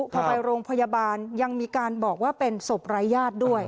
พอไปโรงพยาบาลยังมีการบอกว่าเป็นศพรายญาติด้วย